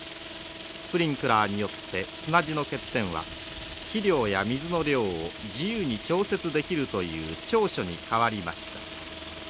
スプリンクラーによって砂地の欠点は肥料や水の量を自由に調節できるという長所に変わりました。